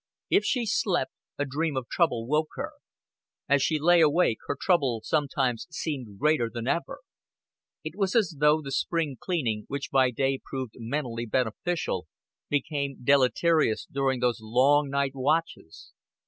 If she slept, a dream of trouble woke her. As she lay awake her trouble sometimes seemed greater than ever. It was as though the spring cleaning, which by day proved mentally beneficial, became deleterious during these long night watches.